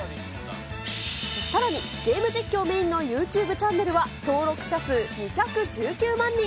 さらにゲーム実況メインのユーチューブチャンネルは登録者数２１９万人。